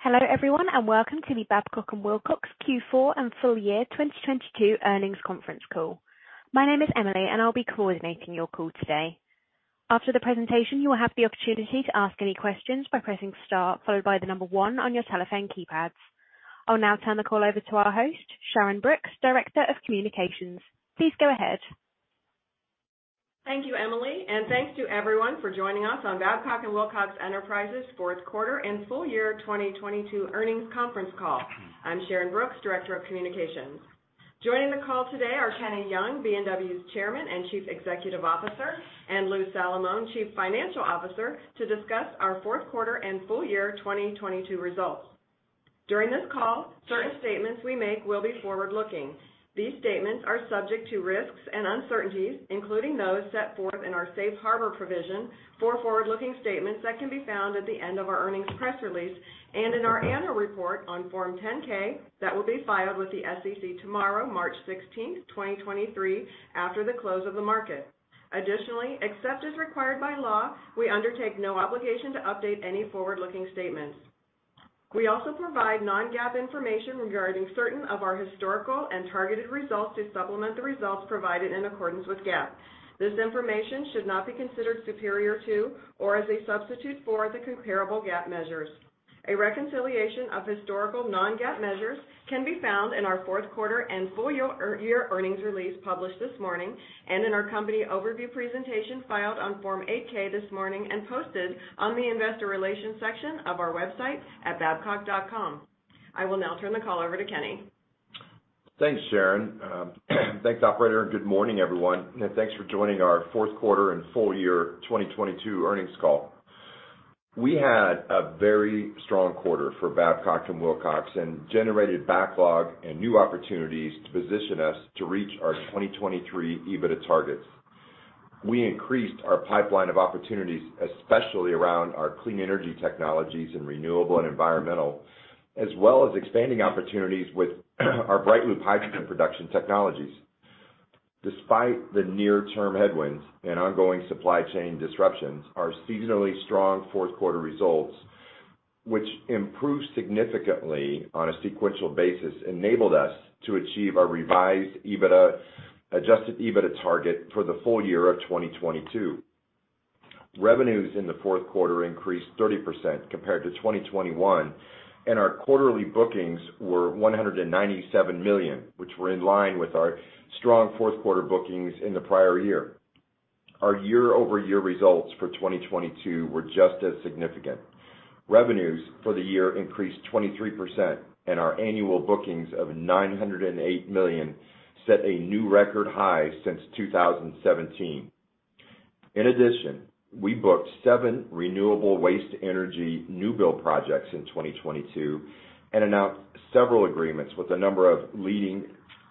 Hello, everyone, and welcome to the Babcock & Wilcox Q4 and full year 2022 earnings conference call. My name is Emily, and I'll be coordinating your call today. After the presentation, you will have the opportunity to ask any questions by pressing star followed by the number one on your telephone keypads. I'll now turn the call over to our host, Sharyn Brooks, Director of Communications. Please go ahead. Thank you, Emily, and thanks to everyone for joining us on Babcock & Wilcox Enterprises fourth quarter and full year 2022 earnings conference call. I'm Sharyn Brooks, Director of Communications. Joining the call today are Kenny Young, B&W's Chairman and Chief Executive Officer, and Lou Salamone, Chief Financial Officer, to discuss our fourth quarter and full year 2022 results. During this call, certain statements we make will be forward-looking. These statements are subject to risks and uncertainties, including those set forth in our safe harbor provision for forward-looking statements that can be found at the end of our earnings press release and in our annual report on Form 10-K that will be filed with the SEC tomorrow, March 16th, 2023, after the close of the market. Additionally, except as required by law, we undertake no obligation to update any forward-looking statements. We also provide non-GAAP information regarding certain of our historical and targeted results to supplement the results provided in accordance with GAAP. This information should not be considered superior to or as a substitute for the comparable GAAP measures. A reconciliation of historical non-GAAP measures can be found in our fourth quarter and full year earnings release published this morning and in our company overview presentation filed on Form 8-K this morning and posted on the investor relations section of our website at babcock.com. I will now turn the call over to Kenny. Thanks, Sharyn. Thanks, operator, good morning, everyone. Thanks for joining our fourth quarter and full year 2022 earnings call. We had a very strong quarter for Babcock & Wilcox and generated backlog and new opportunities to position us to reach our 2023 EBITDA targets. We increased our pipeline of opportunities, especially around our clean energy technologies in renewable and environmental, as well as expanding opportunities with our BrightLoop hydrogen production technologies. Despite the near-term headwinds and ongoing supply chain disruptions, our seasonally strong fourth quarter results, which improved significantly on a sequential basis, enabled us to achieve our revised EBITDA, adjusted EBITDA target for the full year of 2022. Revenues in the fourth quarter increased 30% compared to 2021. Our quarterly bookings were $197 million, which were in line with our strong fourth quarter bookings in the prior year. Our year-over-year results for 2022 were just as significant. Revenues for the year increased 23%, and our annual bookings of $908 million set a new record high since 2017. In addition, we booked seven renewable waste energy new build projects in 2022 and announced several agreements with a number of leading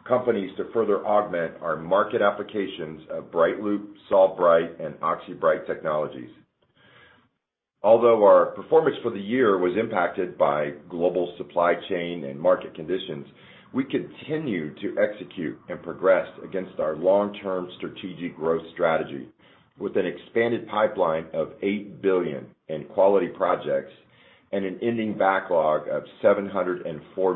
companies to further augment our market applications of BrightLoop, SolveBright, and OxyBright technologies. Although our performance for the year was impacted by global supply chain and market conditions, we continue to execute and progress against our long-term strategic growth strategy with an expanded pipeline of $8 billion in quality projects and an ending backlog of $704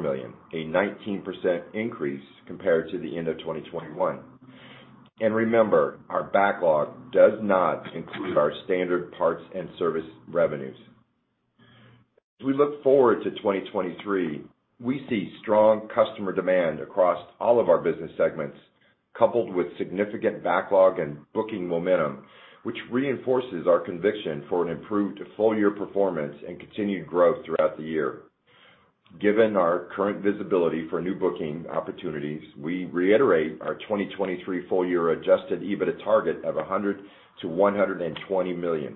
million, a 19% increase compared to the end of 2021. Remember, our backlog does not include our standard parts and service revenues. As we look forward to 2023, we see strong customer demand across all of our business segments, coupled with significant backlog and booking momentum, which reinforces our conviction for an improved full-year performance and continued growth throughout the year. Given our current visibility for new booking opportunities, we reiterate our 2023 full-year adjusted EBITDA target of $100 million-$120 million.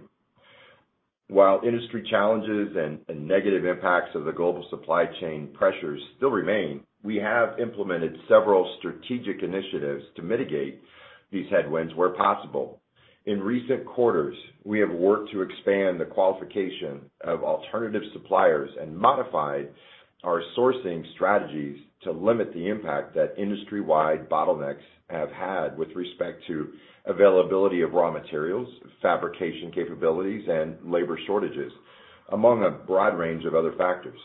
While industry challenges and negative impacts of the global supply chain pressures still remain, we have implemented several strategic initiatives to mitigate these headwinds where possible. In recent quarters, we have worked to expand the qualification of alternative suppliers and modified our sourcing strategies to limit the impact that industry-wide bottlenecks have had with respect to availability of raw materials, fabrication capabilities, and labor shortages, among a broad range of other factors.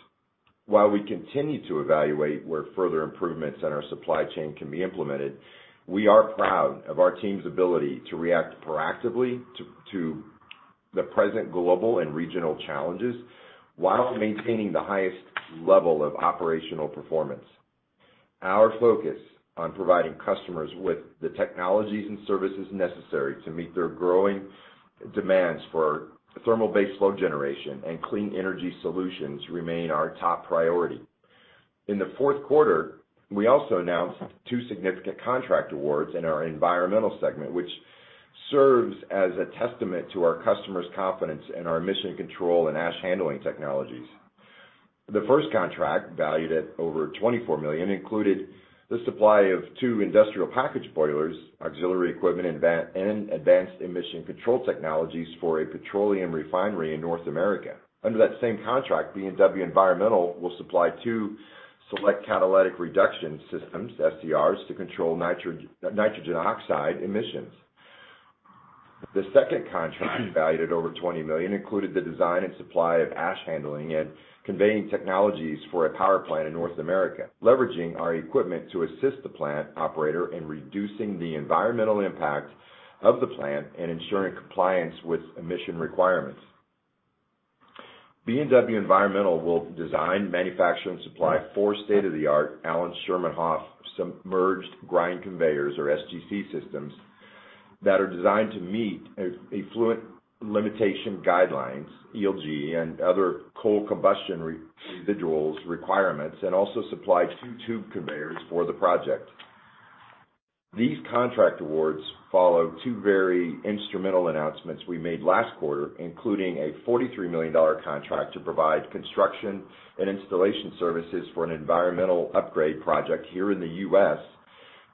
While we continue to evaluate where further improvements in our supply chain can be implemented, we are proud of our team's ability to react proactively to the present global and regional challenges while maintaining the highest level of operational performance. Our focus on providing customers with the technologies and services necessary to meet their growing demands for thermal-based load generation and clean energy solutions remain our top priority. In the fourth quarter, we also announced two significant contract awards in our Environmental segment, which serves as a testament to our customers' confidence in our emission control and ash handling technologies. The first contract, valued at over $24 million, included the supply of two industrial package boilers, auxiliary equipment, and advanced emission control technologies for a petroleum refinery in North America. Under that same contract, B&W Environmental will supply two select catalytic reduction systems, SCRs, to control nitrogen oxide emissions. The second contract, valued at over $20 million, included the design and supply of ash handling and conveying technologies for a power plant in North America, leveraging our equipment to assist the plant operator in reducing the environmental impact of the plant and ensuring compliance with emission requirements. B&W Environmental will design, manufacture, and supply four state-of-the-art Allen-Sherman-Hoff submerged grind conveyors, or SGC systems, that are designed to meet effluent limitation guidelines, ELG, and other Coal Combustion Residuals requirements, and also supply two tube conveyors for the project. These contract awards follow two very instrumental announcements we made last quarter, including a $43 million contract to provide construction and installation services for an environmental upgrade project here in the U.S.,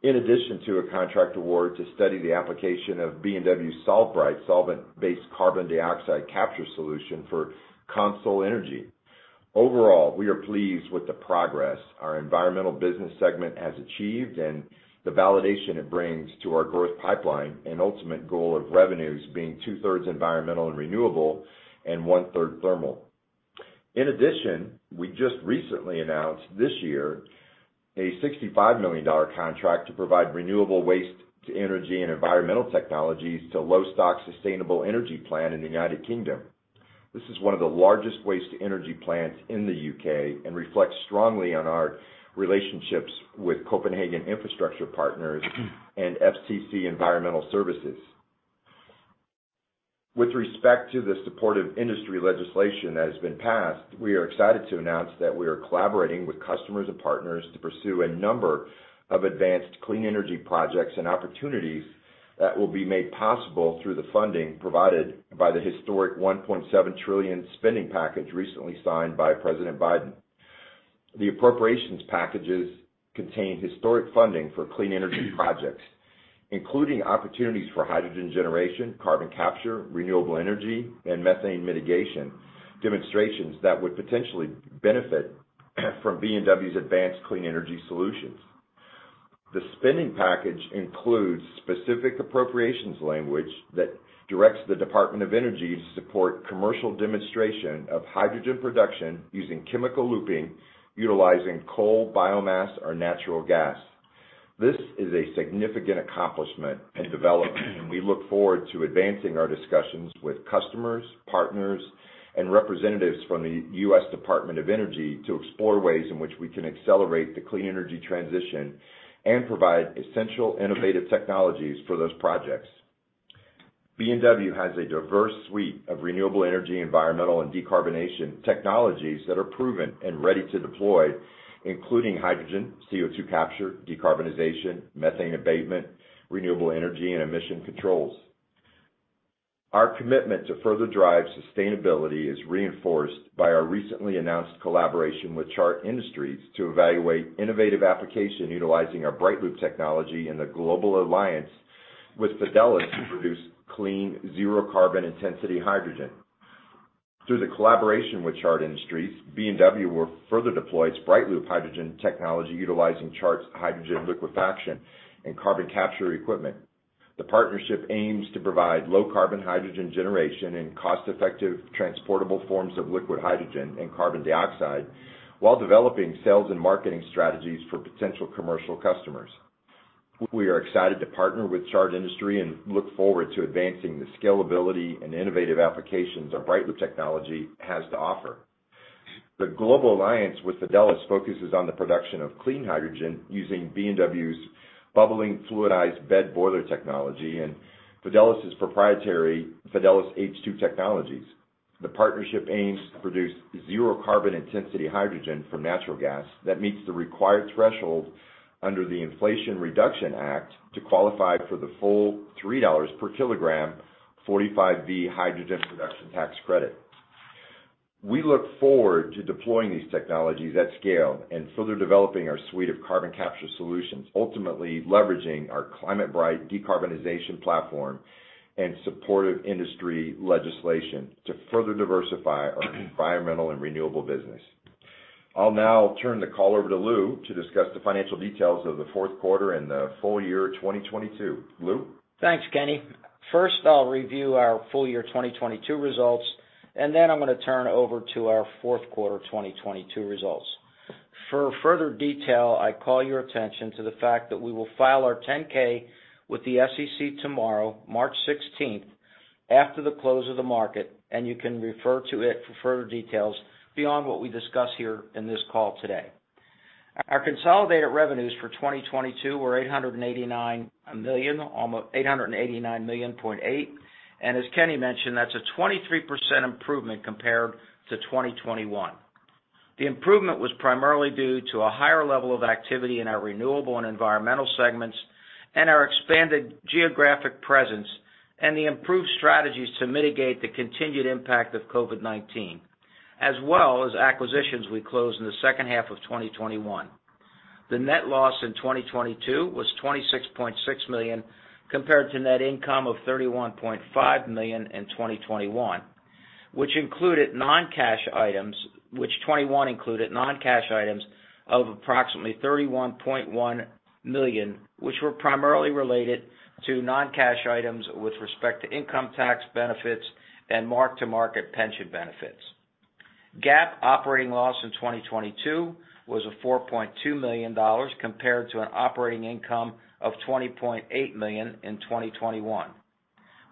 in addition to a contract award to study the application of B&W SolveBright solvent-based carbon dioxide capture solution for CONSOL Energy. Overall, we are pleased with the progress our Environmental business segment has achieved and the validation it brings to our growth pipeline and ultimate goal of revenues being 2/3 Environmental and Renewable and 1/3 Thermal. We just recently announced this year a $65 million contract to provide renewable waste to energy and environmental technologies to Lostock Sustainable Energy Plant in the United Kingdom. This is one of the largest waste-to-energy plants in the U.K. and reflects strongly on our relationships with Copenhagen Infrastructure Partners and FCC Environmental Services. With respect to the supportive industry legislation that has been passed, we are excited to announce that we are collaborating with customers and partners to pursue a number of advanced clean energy projects and opportunities that will be made possible through the funding provided by the historic $1.7 trillion spending package recently signed by President Biden. The appropriations packages contain historic funding for clean energy projects, including opportunities for hydrogen generation, carbon capture, renewable energy, and methane mitigation, demonstrations that would potentially benefit from B&W's advanced clean energy solutions. The spending package includes specific appropriations language that directs the Department of Energy to support commercial demonstration of hydrogen production using chemical looping, utilizing coal, biomass, or natural gas. This is a significant accomplishment and development. We look forward to advancing our discussions with customers, partners, and representatives from the U.S. Department of Energy to explore ways in which we can accelerate the clean energy transition and provide essential innovative technologies for those projects. B&W has a diverse suite of renewable energy, environmental, and decarbonization technologies that are proven and ready to deploy, including hydrogen, CO2 capture, decarbonization, methane abatement, renewable energy, and emission controls. Our commitment to further drive sustainability is reinforced by our recently announced collaboration with Chart Industries to evaluate innovative application utilizing our BrightLoop technology in the global alliance with Fidelis to produce clean, zero carbon intensity hydrogen. Through the collaboration with Chart Industries, B&W will further deploy its BrightLoop hydrogen technology utilizing Chart's hydrogen liquefaction and carbon capture equipment. The partnership aims to provide low-carbon hydrogen generation in cost-effective transportable forms of liquid hydrogen and carbon dioxide while developing sales and marketing strategies for potential commercial customers. We are excited to partner with Chart Industries and look forward to advancing the scalability and innovative applications our BrightLoop technology has to offer. The global alliance with Fidelis focuses on the production of clean hydrogen using B&W's bubbling fluidized bed boiler technology and Fidelis' proprietary Fidelis H2 technologies. The partnership aims to produce zero carbon intensity hydrogen from natural gas that meets the required threshold under the Inflation Reduction Act to qualify for the full $3 per kg 45V hydrogen production tax credit. We look forward to deploying these technologies at scale and further developing our suite of carbon capture solutions, ultimately leveraging our ClimateBright decarbonization platform and supportive industry legislation to further diversify our Environmental and Renewable business. I'll now turn the call over to Lou to discuss the financial details of the fourth quarter and the full year 2022. Lou? Thanks, Kenny. First, I'll review our full year 2022 results, and then I'm gonna turn over to our fourth quarter 2022 results. For further detail, I call your attention to the fact that we will file our 10-K with the SEC tomorrow, March 16th, after the close of the market, and you can refer to it for further details beyond what we discuss here in this call today. Our consolidated revenues for 2022 were $889 million, almost $889.8 million. As Kenny mentioned, that's a 23% improvement compared to 2021. The improvement was primarily due to a higher level of activity in our Renewable and Environmental segments and our expanded geographic presence and the improved strategies to mitigate the continued impact of COVID-19, as well as acquisitions we closed in the second half of 2021. The net loss in 2022 was $26.6 million compared to net income of $31.5 million in 2021, which 2021 included non-cash items of approximately $31.1 million, which were primarily related to non-cash items with respect to income tax benefits and mark-to-market pension benefits. GAAP operating loss in 2022 was $4.2 million compared to an operating income of $20.8 million in 2021.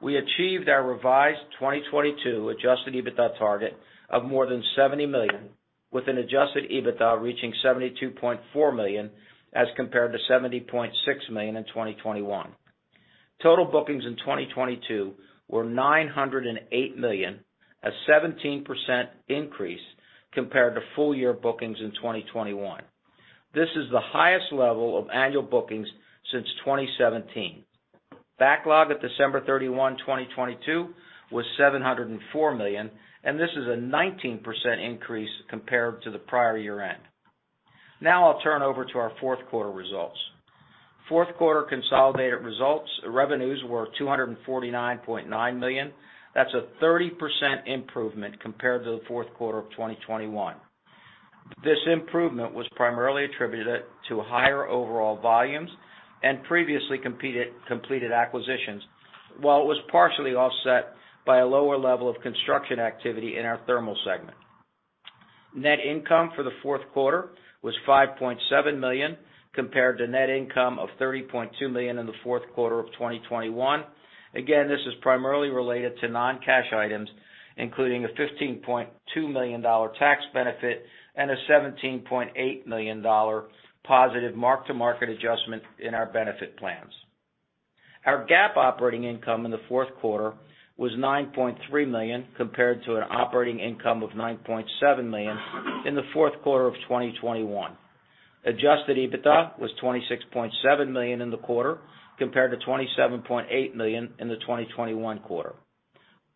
We achieved our revised 2022 adjusted EBITDA target of more than $70 million, with an adjusted EBITDA reaching $72.4 million as compared to $70.6 million in 2021. Total bookings in 2022 were $908 million, a 17% increase compared to full year bookings in 2021. This is the highest level of annual bookings since 2017. Backlog at December 31, 2022, was $704 million. This is a 19% increase compared to the prior year-end. I'll turn over to our fourth quarter results. Fourth quarter consolidated results: revenues were $249.9 million. That's a 30% improvement compared to the fourth quarter of 2021. This improvement was primarily attributed to higher overall volumes and previously completed acquisitions, while it was partially offset by a lower level of construction activity in our Thermal segment. Net income for the fourth quarter was $5.7 million, compared to net income of $30.2 million in the fourth quarter of 2021. This is primarily related to non-cash items, including a $15.2 million tax benefit and a $17.8 million positive mark-to-market adjustment in our benefit plans. Our GAAP operating income in the fourth quarter was $9.3 million compared to an operating income of $9.7 million in the fourth quarter of 2021. Adjusted EBITDA was $26.7 million in the quarter compared to $27.8 million in the 2021 quarter.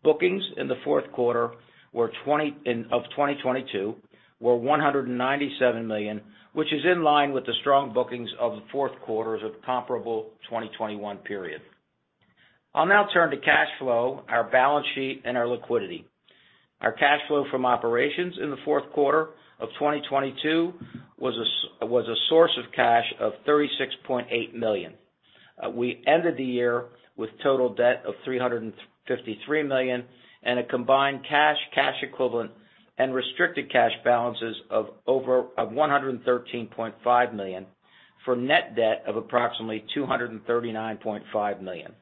Bookings in the fourth quarter of 2022 were $197 million, which is in line with the strong bookings of the fourth quarter of the comparable 2021 period. I'll now turn to cash flow, our balance sheet, and our liquidity. Our cash flow from operations in the fourth quarter of 2022 was a source of cash of $36.8 million. We ended the year with total debt of $353 million and a combined cash equivalent, and restricted cash balances of $113.5 million, for net debt of approximately $239.5 million.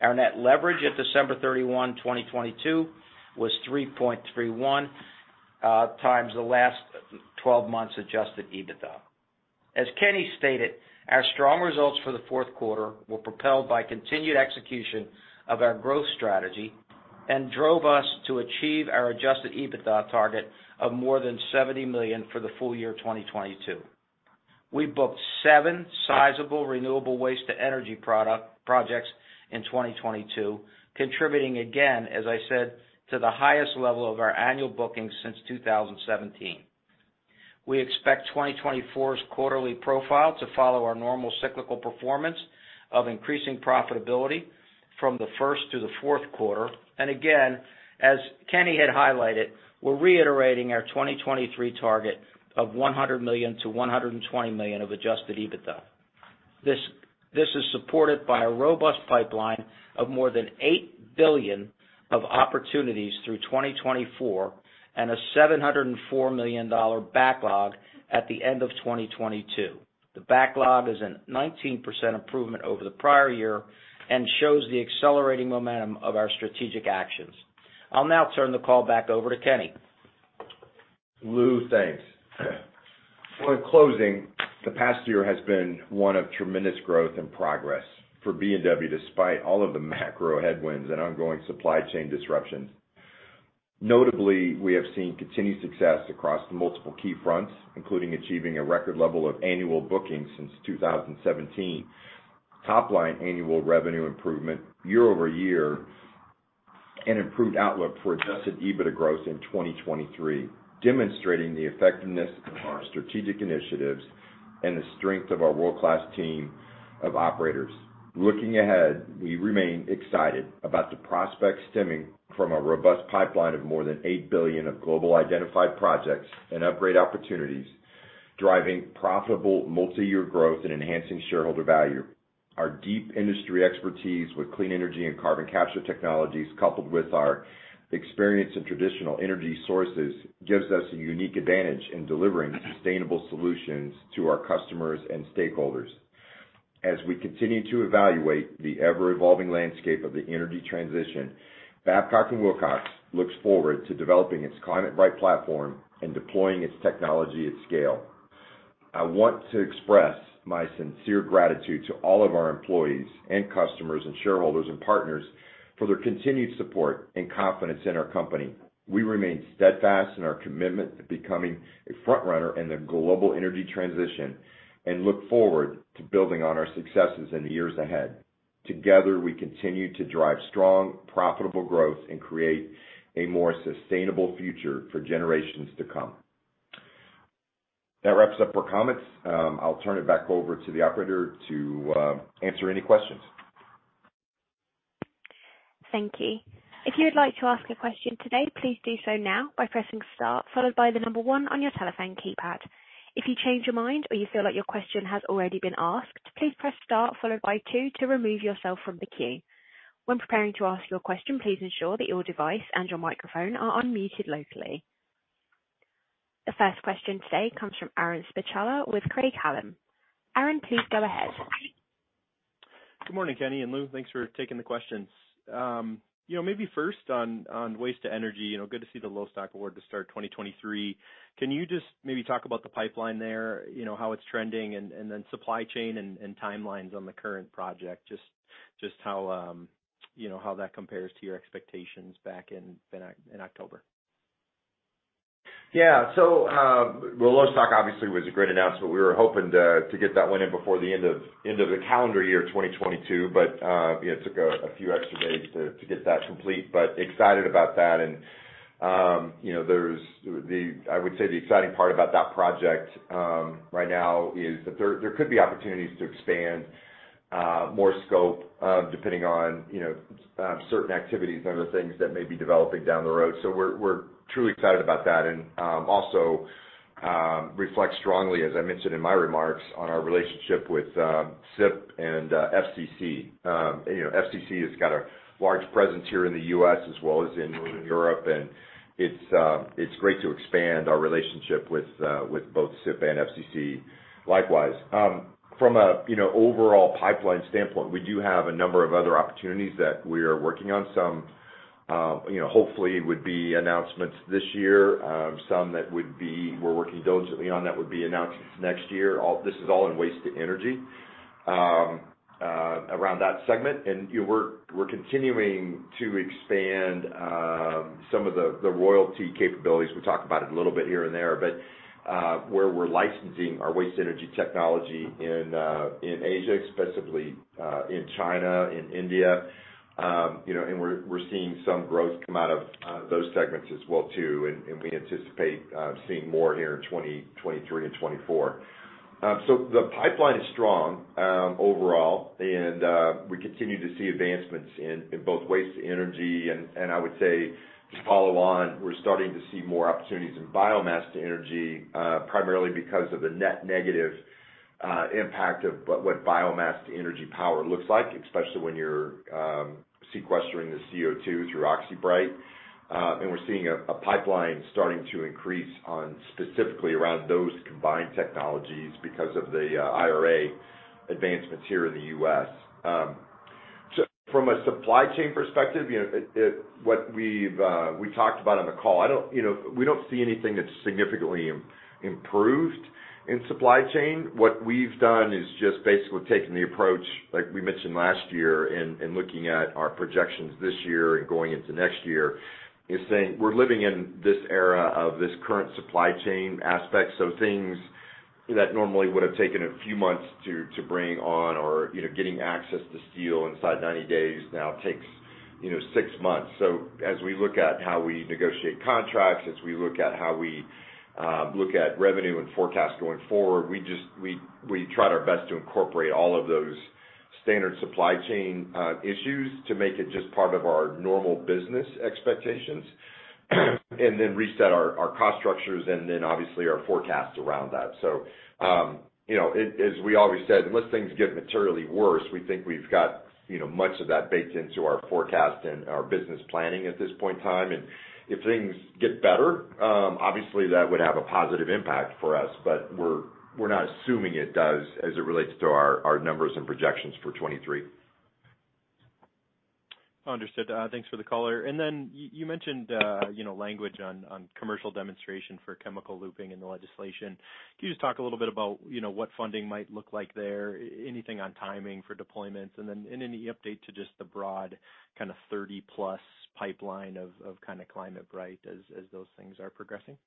Our net leverage at December 31, 2022 was 3.31x the last 12 months adjusted EBITDA. As Kenny stated, our strong results for the fourth quarter were propelled by continued execution of our growth strategy and drove us to achieve our Adjusted EBITDA target of more than $70 million for the full year 2022. We booked seven sizable renewable waste to energy projects in 2022, contributing again, as I said, to the highest level of our annual bookings since 2017. We expect 2024's quarterly profile to follow our normal cyclical performance of increasing profitability from the first to the fourth quarter. Again, as Kenny had highlighted, we're reiterating our 2023 target of $100 million-$120 million of adjusted EBITDA. This is supported by a robust pipeline of more than $8 billion of opportunities through 2024 and a $704 million backlog at the end of 2022. The backlog is a 19% improvement over the prior year and shows the accelerating momentum of our strategic actions. I'll now turn the call back over to Kenny. Lou, thanks. In closing, the past year has been one of tremendous growth and progress for B&W despite all of the macro headwinds and ongoing supply chain disruptions. Notably, we have seen continued success across multiple key fronts, including achieving a record level of annual bookings since 2017, top-line annual revenue improvement year-over-year, and improved outlook for adjusted EBITDA growth in 2023, demonstrating the effectiveness of our strategic initiatives and the strength of our world-class team of operators. Looking ahead, we remain excited about the prospects stemming from a robust pipeline of more than $8 billion of global identified projects and upgrade opportunities, driving profitable multiyear growth and enhancing shareholder value. Our deep industry expertise with clean energy and carbon capture technologies, coupled with our experience in traditional energy sources, gives us a unique advantage in delivering sustainable solutions to our customers and stakeholders. As we continue to evaluate the ever-evolving landscape of the energy transition, Babcock & Wilcox looks forward to developing its ClimateBright platform and deploying its technology at scale. I want to express my sincere gratitude to all of our employees and customers and shareholders and partners for their continued support and confidence in our company. We remain steadfast in our commitment to becoming a front runner in the global energy transition and look forward to building on our successes in the years ahead. Together, we continue to drive strong, profitable growth and create a more sustainable future for generations to come. That wraps up for comments. I'll turn it back over to the operator to answer any questions. Thank you. If you would like to ask a question today, please do so now by pressing star, followed by one on your telephone keypad. If you change your mind or you feel like your question has already been asked, please press star followed by two to remove yourself from the queue. When preparing to ask your question, please ensure that your device and your microphone are unmuted locally. The first question today comes from Aaron Spychalla with Craig-Hallum. Aaron, please go ahead. Good morning, Kenny and Lou. Thanks for taking the questions. You know, maybe first on waste to energy, you know, good to see the Lostock award to start 2023. Can you just maybe talk about the pipeline there, you know, how it's trending and then supply chain and timelines on the current project? Just how, you know, how that compares to your expectations back in October. Well, Lostock obviously was a great announcement. We were hoping to get that one in before the end of the calendar year 2022, but, you know, took a few extra days to get that complete. Excited about that and, you know, I would say the exciting part about that project right now is that there could be opportunities to expand more scope, depending on, you know, certain activities under things that may be developing down the road. We're truly excited about that. Also, reflect strongly, as I mentioned in my remarks, on our relationship with CIP and FCC. You know, FCC has got a large presence here in the U.S. as well as in Europe, and it's great to expand our relationship with both CIP and FCC likewise. From a, you know, overall pipeline standpoint, we do have a number of other opportunities that we are working on. Some, you know, hopefully would be announcements this year. Some we're working diligently on, that would be announcements next year. This is all in waste to energy around that segment. You know, we're continuing to expand some of the royalty capabilities. We talked about it a little bit here and there. Where we're licensing our waste energy technology in Asia, specifically in China, in India, and we're seeing some growth come out of those segments as well too. And I anticipate seeing more here in 2023 and 2024. So the pipeline is strong overall, and we continue to see advancements in both waste to energy and I would say to follow on, we're starting to see more opportunities in biomass to energy, primarily because of the net negative impact of what biomass to energy power looks like, especially when you're sequestering the CO2 through OxyBright. And we're seeing a pipeline starting to increase on specifically around those combined technologies because of the IRA advancements here in the U.S. From a supply chain perspective, you know, what we've, we talked about on the call. You know, we don't see anything that's significantly improved in supply chain. What we've done is just basically taken the approach, like we mentioned last year, and looking at our projections this year and going into next year, is saying we're living in this era of this current supply chain aspect. Things that normally would have taken a few months to bring on or, you know, getting access to steel inside 90 days now takes, you know, six months. As we look at how we negotiate contracts, as we look at how we look at revenue and forecast going forward, we tried our best to incorporate all of those standard supply chain issues to make it just part of our normal business expectations, and then reset our cost structures and then obviously our forecast around that. You know, as we always said, unless things get materially worse, we think we've got, you know, much of that baked into our forecast and our business planning at this point in time. If things get better, obviously that would have a positive impact for us. We're, we're not assuming it does as it relates to our numbers and projections for 2023. Understood. Thanks for the color. You mentioned, you know, language on commercial demonstration for chemical looping in the legislation. Can you just talk a little bit about, you know, what funding might look like there? Anything on timing for deployments? Any update to just the broad kind of 30+ pipeline of kind of ClimateBright as those things are progressing?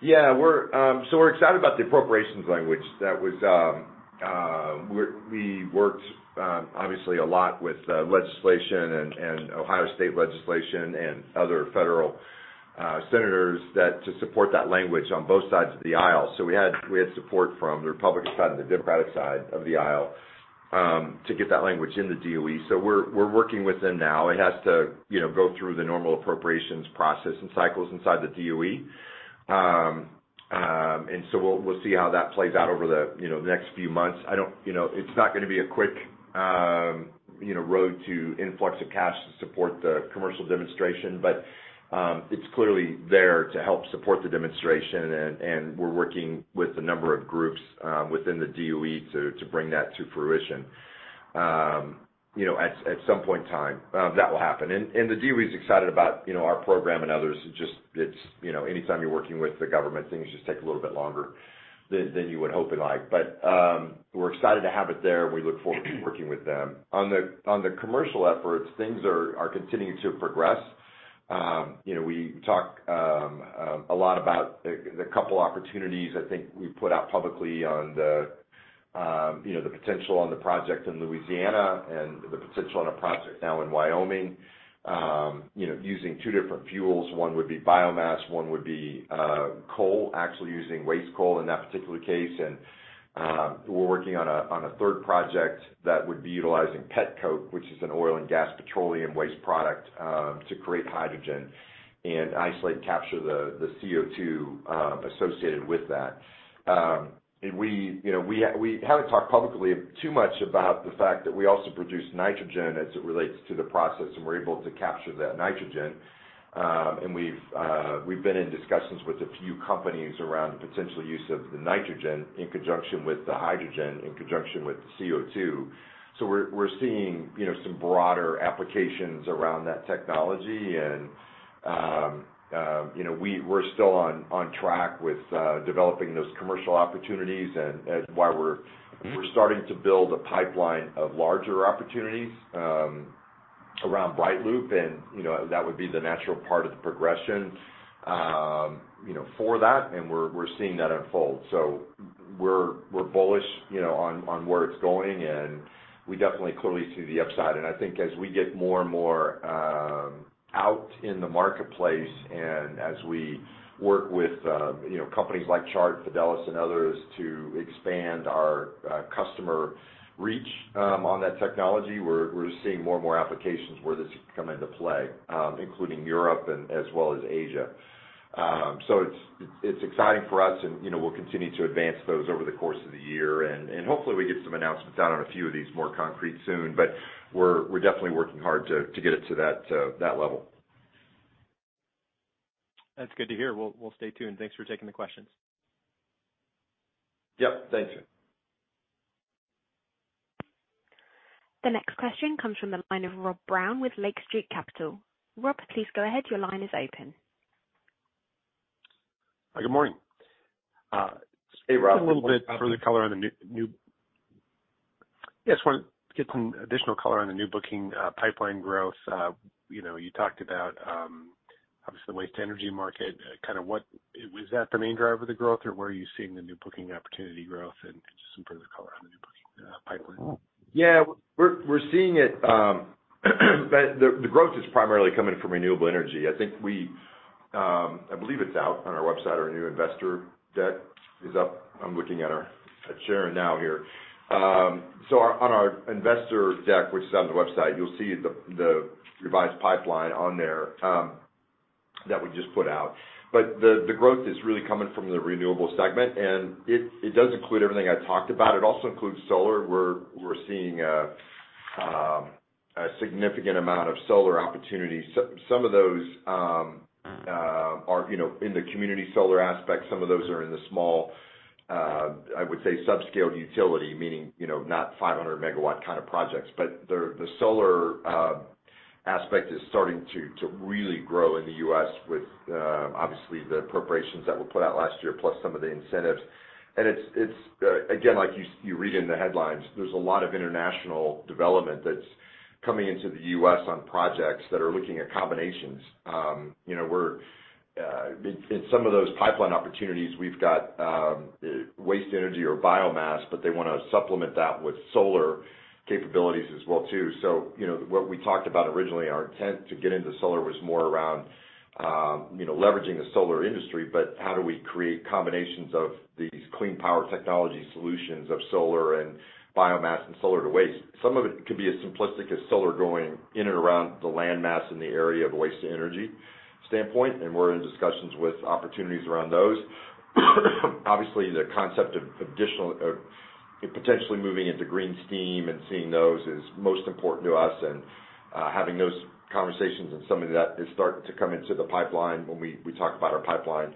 Yeah. We're excited about the appropriations language that was, we worked obviously a lot with legislation and Ohio State legislation and other federal senators that to support that language on both sides of the aisle. We had support from the Republican side and the Democratic side of the aisle to get that language in the DOE. We're working with them now. It has to, you know, go through the normal appropriations process and cycles inside the DOE. We'll see how that plays out over the, you know, next few months. You know, it's not gonna be a quick, you know, road to influx of cash to support the commercial demonstration, but it's clearly there to help support the demonstration. We're working with a number of groups within the DOE to bring that to fruition. You know, at some point in time, that will happen. The DOE is excited about, you know, our program and others. It's just, you know, anytime you're working with the government, things just take a little bit longer than you would hope and like. We're excited to have it there. We look forward to working with them. On the commercial efforts, things are continuing to progress. You know, we talk a lot about the couple opportunities I think we put out publicly on the, you know, the potential on the project in Louisiana and the potential on a project now in Wyoming, you know, using two different fuels. One would be biomass, one would be coal, actually using waste coal in that particular case. We're working on a third project that would be utilizing petcoke, which is an oil and gas petroleum waste product, to create hydrogen and isolate and capture the CO2 associated with that. We, you know, we haven't talked publicly too much about the fact that we also produce nitrogen as it relates to the process, and we're able to capture that nitrogen. We've been in discussions with a few companies around the potential use of the nitrogen in conjunction with the hydrogen, in conjunction with the CO2. We're, we're seeing, you know, some broader applications around that technology and, you know, we're still on track with developing those commercial opportunities and why we're starting to build a pipeline of larger opportunities around BrightLoop. You know, that would be the natural part of the progression, you know, for that, and we're seeing that unfold. We're, we're bullish, you know, on where it's going, and we definitely clearly see the upside. I think as we get more and more out in the marketplace and as we work with, you know, companies like Chart, Fidelis, and others to expand our customer reach on that technology, we're seeing more and more applications where this could come into play, including Europe and as well as Asia. It's exciting for us and, you know, we'll continue to advance those over the course of the year. Hopefully we get some announcements out on a few of these more concrete soon. We're definitely working hard to get it to that level. That's good to hear. We'll stay tuned. Thanks for taking the questions. Yep. Thank you. The next question comes from the line of Rob Brown with Lake Street Capital. Rob, please go ahead. Your line is open. Hi, good morning. Hey, Rob. Just a little bit further color on the new pipeline growth. Yes. Wanna get some additional color on the new booking pipeline growth. You know, you talked about, obviously waste to energy market, was that the main driver of the growth, or where are you seeing the new booking opportunity growth, and just some further color on the new booking pipeline? Yeah. We're seeing it, the growth is primarily coming from renewable energy. I think we, I believe it's out on our website, our new investor deck is up. I'm looking at our Sharyn now here. On our investor deck, which is on the website, you'll see the revised pipeline on there that we just put out. The growth is really coming from the renewable segment, and it does include everything I talked about. It also includes solar. We're seeing a significant amount of solar opportunities. Some of those are, you know, in the community solar aspect, some of those are in the small, I would say subscale utility, meaning, you know, not 500 MW kind of projects. The solar aspect is starting to really grow in the U.S. with obviously the appropriations that were put out last year, plus some of the incentives. It's again, like you read in the headlines, there's a lot of international development that's coming into the U.S. on projects that are looking at combinations. You know, we're in some of those pipeline opportunities, we've got waste energy or biomass, but they wanna supplement that with solar capabilities as well too. You know, what we talked about originally, our intent to get into solar was more around, you know, leveraging the solar industry, but how do we create combinations of these clean power technology solutions of solar and biomass and solar to waste. Some of it could be as simplistic as solar going in and around the land mass in the area of waste-to-energy standpoint, and we're in discussions with opportunities around those. Obviously, the concept of additional, potentially moving into green steam and seeing those is most important to us and having those conversations and some of that is starting to come into the pipeline when we talk about our pipeline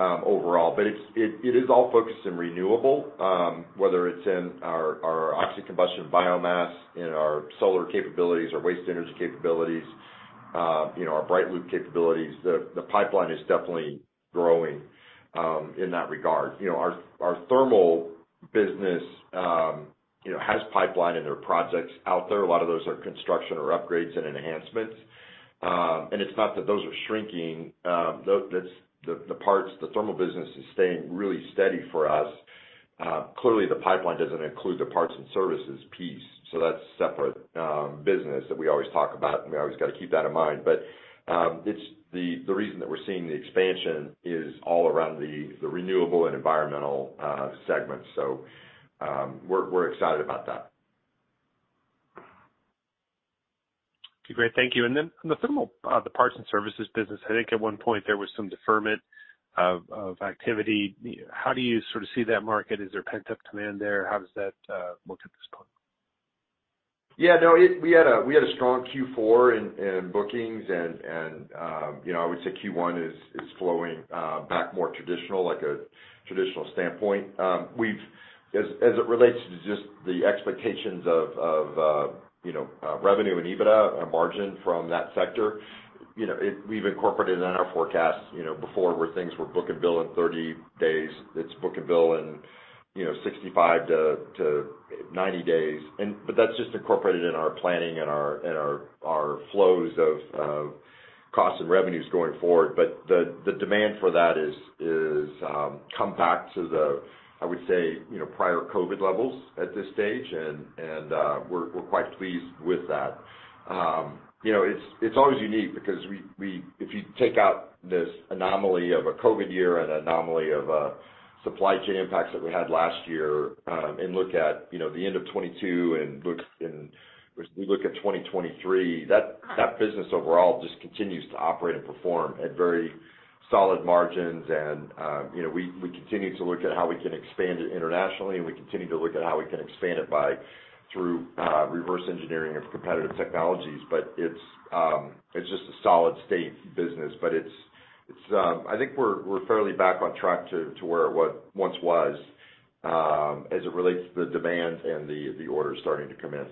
overall. It is all focused in renewable, whether it's in our oxy-combustion biomass, in our solar capabilities, our waste-to-energy capabilities, you know, our BrightLoop capabilities. The pipeline is definitely growing in that regard. You know, our Thermal business, has pipeline and there are projects out there. A lot of those are construction or upgrades and enhancements. It's not that those are shrinking, that's the parts, the Thermal business is staying really steady for us. Clearly the pipeline doesn't include the parts and services piece, so that's separate, business that we always talk about, and we always got to keep that in mind. It's the reason that we're seeing the expansion is all around the Renewable and Environmental segments. We're excited about that. Okay, great. Thank you. Then on the thermal, the parts and services business, I think at one point there was some deferment of activity. How do you sort of see that market? Is there pent-up demand there? How does that look at this point? Yeah, no, we had a strong Q4 in bookings and, you know, I would say Q1 is flowing back more traditional, like a traditional standpoint. As it relates to just the expectations of, you know, revenue and EBITDA and margin from that sector, you know, we've incorporated in our forecast, you know, before where things were book and bill in 30 days, it's book and bill in, you know, 65 days to 90 days. But that's just incorporated in our planning and our, and our flows of costs and revenues going forward. But the demand for that is come back to the, I would say, you know, prior COVID levels at this stage, and we're quite pleased with that. You know, it's always unique because we if you take out this anomaly of a COVID-19 year and anomaly of supply chain impacts that we had last year, and look at, you know, the end of 2022 and we look at 2023, that business overall just continues to operate and perform at very solid margins and, you know, we continue to look at how we can expand it internationally, and we continue to look at how we can expand it through reverse engineering of competitive technologies. It's just a solid state business, but it's I think we're fairly back on track to once was as it relates to the demand and the orders starting to come in.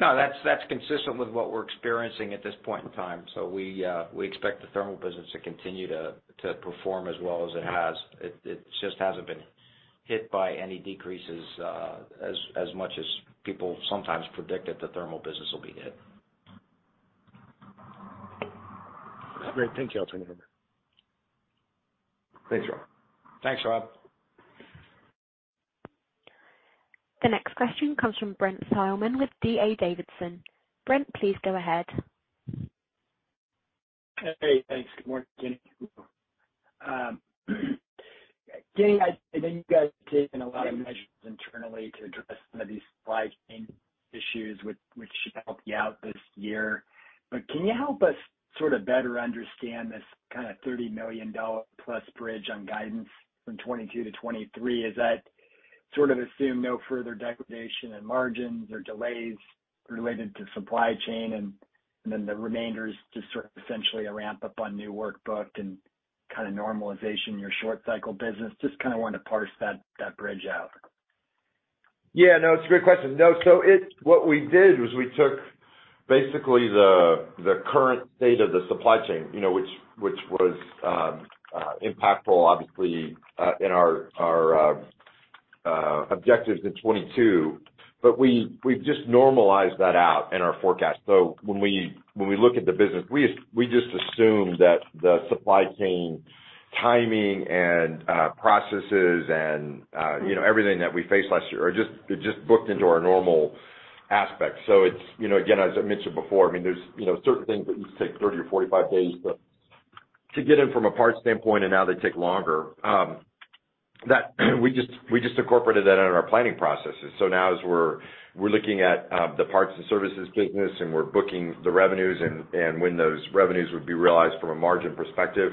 No, that's consistent with what we're experiencing at this point in time. We expect the Thermal business to continue to perform as well as it has. It just hasn't been hit by any decreases as much as people sometimes predict that the Thermal business will be hit. Great. Thank you, gentlemen. Thanks, Rob. Thanks, Rob. The next question comes from Brent Thielman with D.A. Davidson. Brent, please go ahead. Hey, thanks. Good morning, Kenny. Kenny, I know you guys have taken a lot of measures internally to address some of these supply chain issues which should help you out this year. Can you help us sort of better understand this kind of $30 million+ bridge on guidance from 2022 to 2023? Is that sort of assume no further degradation in margins or delays related to supply chain, and then the remainder is just sort of essentially a ramp up on new work booked and kind of normalization in your short cycle business? Just kinda wanted to parse that bridge out. Yeah. No, it's a good question. No. What we did was we took basically the current state of the supply chain, you know, which was impactful obviously, in our objectives in 2022. We've just normalized that out in our forecast. When we look at the business, we just assume that the supply chain timing and processes and, you know, everything that we faced last year are just booked into our normal aspect. It's, you know, again, as I mentioned before, I mean, there's, you know, certain things that used to take 30 days to 45 days to get in from a parts standpoint, and now they take longer. That we just incorporated that into our planning processes. Now as we're looking at the parts and services business and we're booking the revenues and when those revenues would be realized from a margin perspective,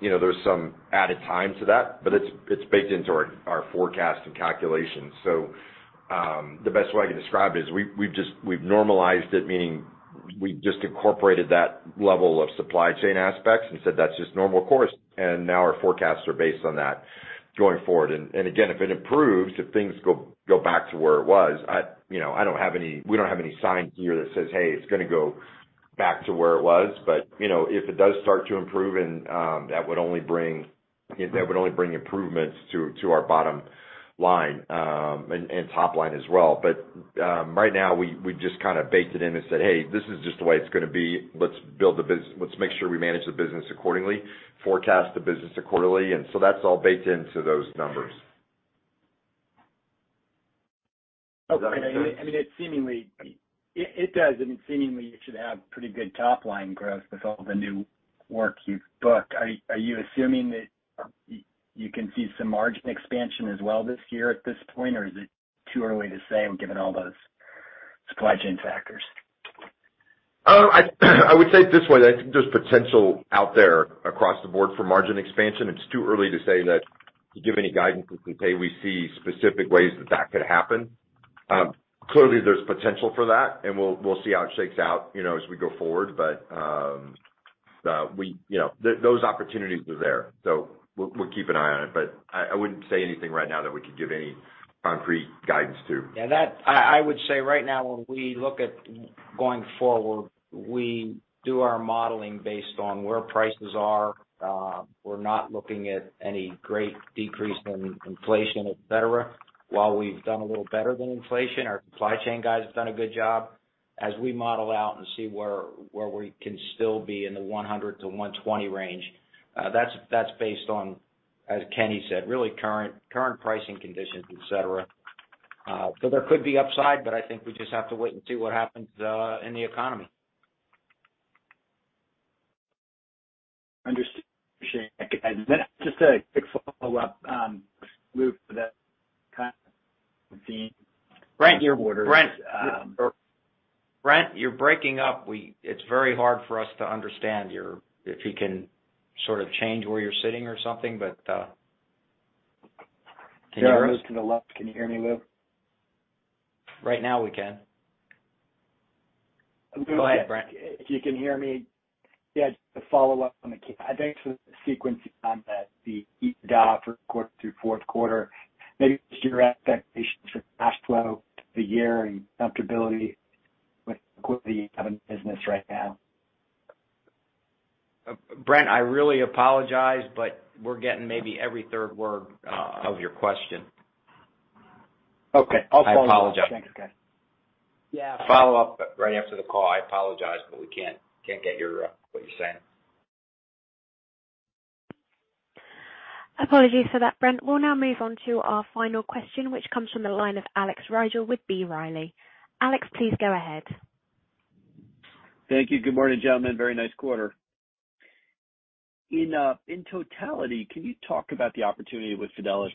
you know, there's some added time to that, but it's baked into our forecast and calculations. The best way I can describe it is we've normalized it, meaning we just incorporated that level of supply chain aspects and said that's just normal course, and now our forecasts are based on that going forward. Again, if it improves, if things go back to where it was, I, you know, we don't have any sign here that says, "Hey, it's gonna go back to where it was." You know, if it does start to improve, that would only bring improvements to our bottom line and top line as well. Right now we just kind of baked it in and said, "Hey, this is just the way it's gonna be. Let's make sure we manage the business accordingly, forecast the business accordingly." That's all baked into those numbers. Okay. Does that make sense? I mean, it does. It seemingly you should have pretty good top line growth with all the new work you've booked. Are you assuming that you can see some margin expansion as well this year at this point, or is it too early to say given all those supply chain factors? I would say it this way. I think there's potential out there across the board for margin expansion. It's too early to say that to give any guidance that we say we see specific ways that that could happen. Clearly there's potential for that, we'll see how it shakes out, you know, as we go forward. Those opportunities are there, we'll keep an eye on it. I wouldn't say anything right now that we could give any concrete guidance to. Yeah, I would say right now when we look at going forward, we do our modeling based on where prices are. We're not looking at any great decrease in inflation, et cetera. We've done a little better than inflation, our supply chain guys have done a good job. We model out and see where we can still be in the 100 range-120 range, that's based on, as Kenny said, really current pricing conditions, et cetera. There could be upside, I think we just have to wait and see what happens in the economy. Understood. Appreciate it. Just a quick follow-up, Lou, for that kind of theme. Brent- Your orders. Brent, you're breaking up. It's very hard for us to understand your. If you can sort of change where you're sitting or something, but. Can you hear us? Yeah, I moved to the left. Can you hear me, Lou? Right now we can. A little bit. Go ahead, Brent. If you can hear me. Yeah, just to follow up on the I think the sequencing on the 12th quarter through fourth quarter, maybe what's your expectations for cash flow for the year and comfortability with the equity you have in the business right now? Brent, I really apologize, but we're getting maybe every third word of your question. Okay. I'll follow up. I apologize. Thanks, guys. Yeah, follow up right after the call. I apologize, but we can't get your what you're saying. Apologies for that, Brent. We'll now move on to our final question, which comes from the line of Alex Rygiel with B. Riley. Alex, please go ahead. Thank you. Good morning, gentlemen. Very nice quarter. In totality, can you talk about the opportunity with Fidelis,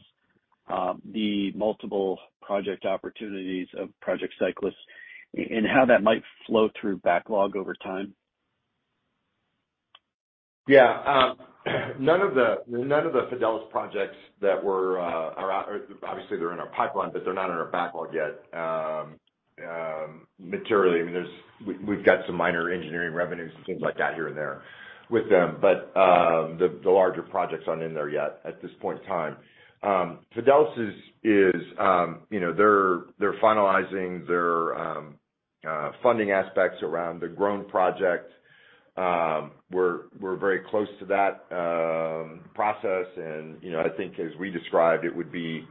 the multiple project opportunities of Project Cyclus and how that might flow through backlog over time? Yeah. None of the Fidelis projects that were obviously they're in our pipeline, but they're not in our backlog yet, materially. I mean, we've got some minor engineering revenues and things like that here and there with them. The larger projects aren't in there yet at this point in time. Fidelis is, you know, they're finalizing their funding aspects around the Grön Fuels. We're very close to that process. You know, I think as we described, it would be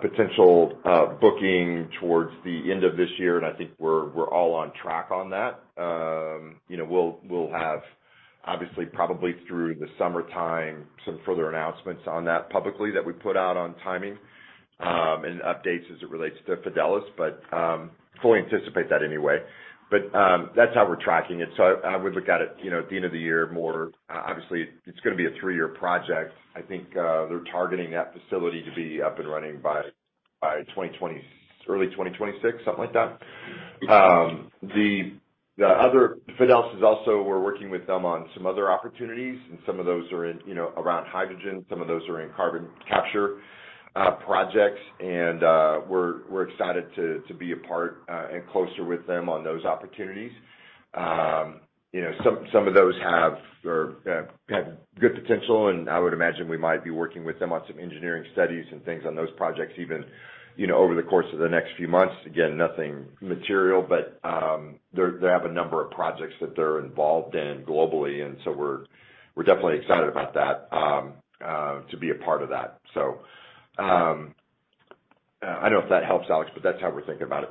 potential booking towards the end of this year, and I think we're all on track on that. You know, we'll have obviously probably through the summertime some further announcements on that publicly that we put out on timing and updates as it relates to Fidelis, fully anticipate that anyway. That's how we're tracking it. I would look at it, you know, at the end of the year more. Obviously it's gonna be a three-year project. I think they're targeting that facility to be up and running by early 2026, something like that. Fidelis is also, we're working with them on some other opportunities and some of those are in, you know, around hydrogen, some of those are in carbon capture projects. We're excited to be a part and closer with them on those opportunities. You know, some of those have good potential, and I would imagine we might be working with them on some engineering studies and things on those projects even, you know, over the course of the next few months. Again, nothing material, but They have a number of projects that they're involved in globally, and so we're definitely excited about that to be a part of that. I don't know if that helps, Alex, but that's how we're thinking about it.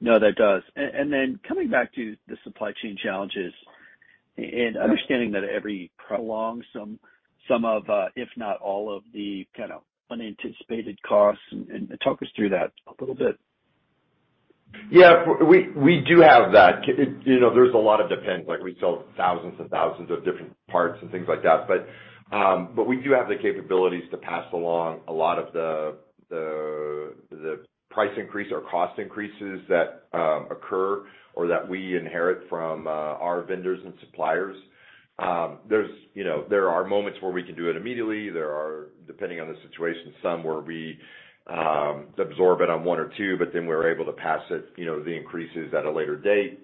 No, that does. Coming back to the supply chain challenges and understanding that every prolong some of, if not all of the kind of unanticipated costs and talk us through that a little bit. Yeah. We do have that. You know, there's a lot of depends, like we sell thousands and thousands of different parts and things like that. We do have the capabilities to pass along a lot of the price increase or cost increases that occur or that we inherit from our vendors and suppliers. There's, you know, there are moments where we can do it immediately. There are, depending on the situation, some where we absorb it on one or two, we're able to pass it, you know, the increases at a later date.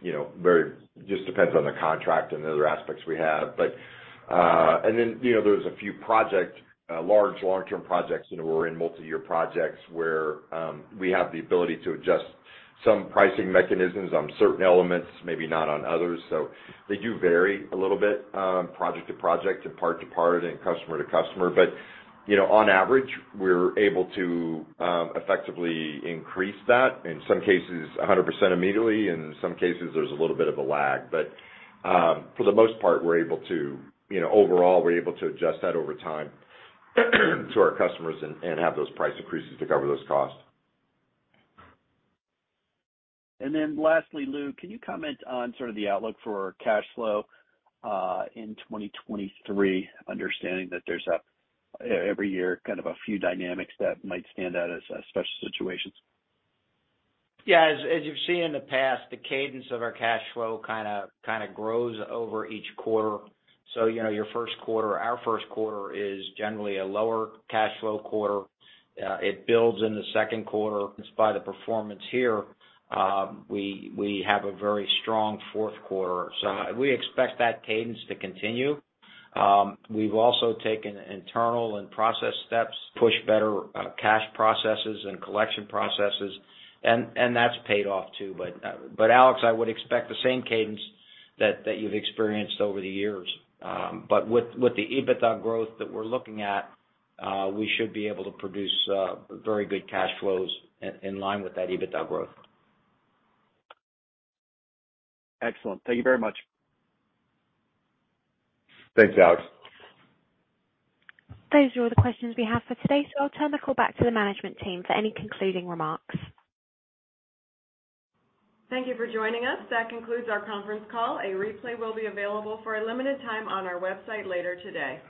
You know, just depends on the contract and the other aspects we have. You know, there's a few project, large long-term projects, you know, we're in multi-year projects where we have the ability to adjust some pricing mechanisms on certain elements, maybe not on others. They do vary a little bit, project to project and part to part and customer to customer. You know, on average, we're able to effectively increase that, in some cases 100% immediately, in some cases, there's a little bit of a lag. For the most part, we're able to, you know, overall, we're able to adjust that over time to our customers and have those price increases to cover those costs. lastly, Lou, can you comment on sort of the outlook for cash flow, in 2023, understanding that there's every year kind of a few dynamics that might stand out as special situations? As you've seen in the past, the cadence of our cash flow kinda grows over each quarter. You know, your first quarter, our first quarter is generally a lower cash flow quarter. It builds in the second quarter. Despite the performance here, we have a very strong fourth quarter. We expect that cadence to continue. We've also taken internal and process steps, push better cash processes and collection processes, and that's paid off too. Alex, I would expect the same cadence that you've experienced over the years. With the EBITDA growth that we're looking at, we should be able to produce very good cash flows in line with that EBITDA growth. Excellent. Thank you very much. Thanks, Alex. Those are all the questions we have for today, so I'll turn the call back to the management team for any concluding remarks. Thank you for joining us. That concludes our conference call. A replay will be available for a limited time on our website later today.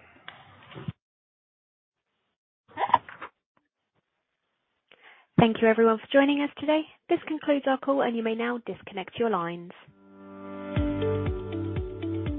Thank you, everyone, for joining us today. This concludes our call, and you may now disconnect your lines.